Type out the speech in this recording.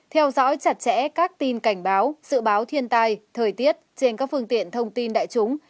theo dõi chặt chẽ các tin cảnh báo dự báo thiên tai thời tiết trên các phương tiện thông tin đại chúng